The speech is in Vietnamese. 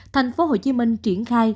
thành phố hồ chí minh triển khai